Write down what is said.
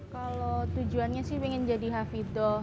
kalau tujuannya sih pengen jadi hafidoh